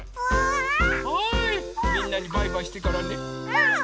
うん！